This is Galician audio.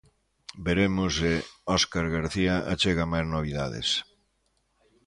Veremos se Óscar García achega máis novidades.